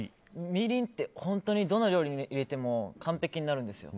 みりんって本当にどの料理に入れても完璧になるんですよ。